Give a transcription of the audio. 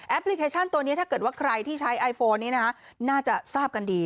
พลิเคชันตัวนี้ถ้าเกิดว่าใครที่ใช้ไอโฟนนี้นะคะน่าจะทราบกันดี